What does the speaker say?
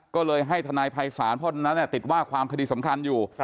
ก็เลยให้ทนายภัยศาลเพราะฉะนั้นติดว่าความคดีสำคัญอยู่